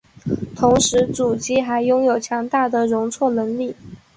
同时主机还拥有强大的容错能力。